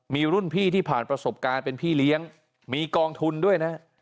มีรุ่นพี่ที่ผ่านประสบการณ์เป็นพี่เลี้ยงมีกองทุนด้วยนะ